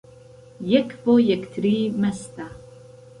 یەک بۆ یەکتری مەستە